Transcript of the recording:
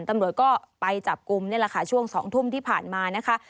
ตำรวจก็ไปจับกลุ่มนี่แหละค่ะช่วง๒ทุ่มที่ผ่านมานะคะ